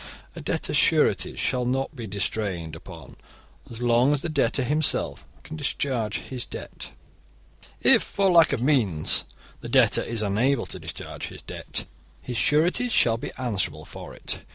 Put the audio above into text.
A debtor's sureties shall not be distrained upon so long as the debtor himself can discharge his debt. If, for lack of means, the debtor is unable to discharge his debt, his sureties shall be answerable for it.